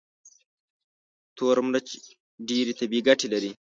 تور مرچ ډېرې طبي ګټې لري.